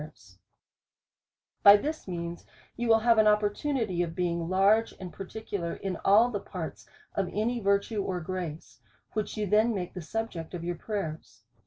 208 A SERIOUS CALL TO A By this means you will have an opportunity of being large and particular in all the parts of any virtue or gmcQ, which you then make the subject of your pray ers.